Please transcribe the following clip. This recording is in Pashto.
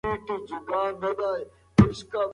د انسان اراده بايد ازاده وي.